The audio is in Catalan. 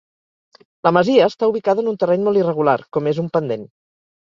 La masia està ubicada en un terreny molt irregular com és un pendent.